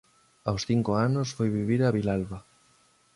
Aos cinco anos foi vivir a Vilalba.